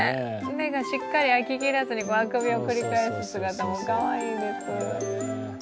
目がしっかり開ききらずにあくびを繰り返す姿もかわいいです。